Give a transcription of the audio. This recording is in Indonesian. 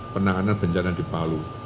penanganan bencana di palu